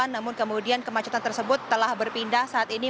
namun kemudian kemacetan tersebut telah berpindah saat ini